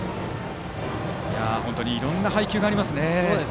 本当にいろんな配球がありますね。